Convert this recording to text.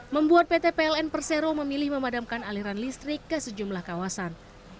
membuat pt pln persero memilih memadamkan aliran listrik ke sejumlah kawasan